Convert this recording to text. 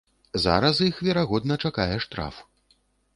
Зараз іх, верагодна, чакае штраф.